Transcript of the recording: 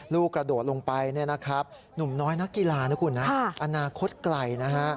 ลูกกระโดดลงไปหนุ่มน้อยนักกีฬานะคุณอนาคตไกล